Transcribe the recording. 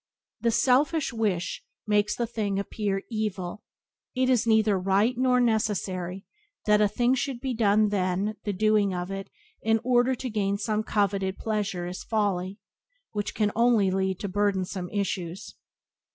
The selfish wish makes the thing appear evil. If it is neither right nor necessary that a thing should be done then the doing of it in order to gain some coveted pleasure is folly, which can only lead to burdensome issues.